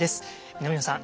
南野さん